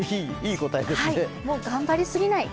頑張りすぎない。